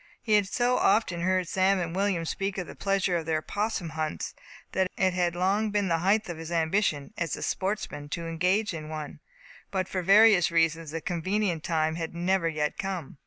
He had so often heard Sam and William speak of the pleasure of their 'possum hunts, that it had long been the height of his ambition, as a sportsman, to engage in one; but for various reasons the convenient time had never yet come.